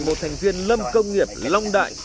một thành viên lâm công nghiệp long đại